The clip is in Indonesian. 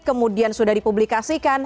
kemudian sudah dipublikasikan